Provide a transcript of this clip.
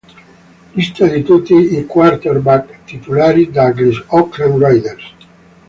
Lista di tutti i quarterback titolari degli Oakland Raiders.